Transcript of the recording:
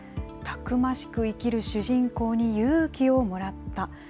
たくましく生きる主人公に勇気をもらった。